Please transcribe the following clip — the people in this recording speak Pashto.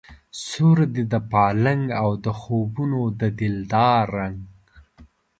سور دی د پالنګ او د خوبونو د دلدار رنګ